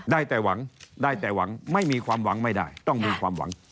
ได้แต่หวังได้แต่หวังไม่มีความหวังไม่ได้ต้องมีความหวัง